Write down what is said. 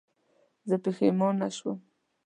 زه پښېمانه نه شوم.